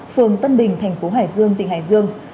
phường tân bình thành phố hải dương tỉnh hải dương